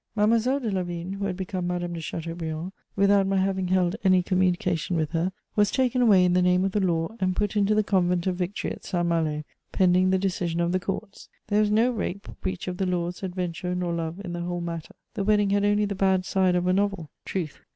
Mademoiselle de Lavigne, who had become Madame de Chateaubriand, without my having held any communication with her, was taken away in the name of the law and put into the Convent of Victory at Saint Malo, pending the decision of the courts. There was no rape, breach of the laws, adventure, nor love in the whole matter; the wedding had only the bad side of a novel: truth.